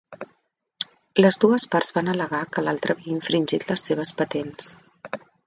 Les dues parts van al·legar que l'altra havia infringit les seves patents.